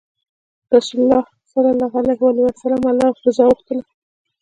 رسول الله ﷺ الله رضا غوښتله.